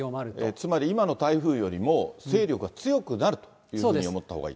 つまり、今の台風よりも勢力は強くなるというふうに思ったほうがいい？